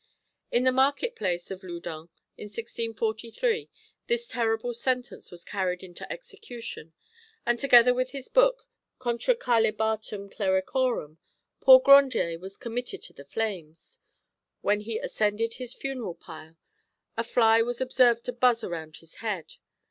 In the market place of Loudun in 1643 this terrible sentence was carried into execution, and together with his book, Contra Caelibatum Clericorum, poor Grandier was committed to the flames. When he ascended his funeral pile, a fly was observed to buzz around his head.